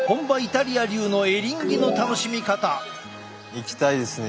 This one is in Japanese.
行きたいですね。